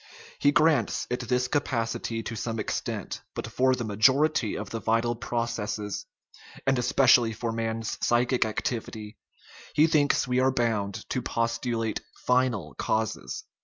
He grants it this capacity to some extent ; but for the majority of the vital processes (and especially for man's psychic activity) he thinks we are bound to postulate final causes.